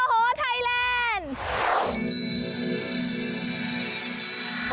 โอ้โหไทยแลนด์